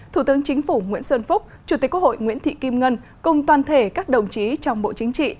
thủ tướng chính phủ nguyễn xuân phúc chủ tịch quốc hội nguyễn thị kim ngân cùng toàn thể các đồng chí trong bộ chính trị